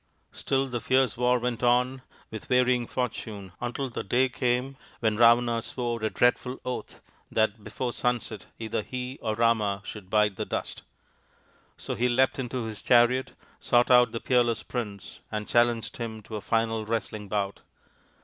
Still the fierce war went on, with varying fortune, until the day came when Ravana swore a dreadful oath that before sunset either he or Rama should bite the dust. So he leapt into his chariot, sought out the peerless prince, and challenged him to a final wrestling bout.